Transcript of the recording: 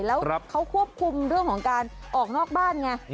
แล้วเขาควบคุมเรื่องของการออกนอกบ้านไง